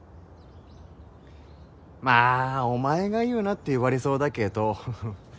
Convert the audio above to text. まあお前が言うなって言われそうだけど。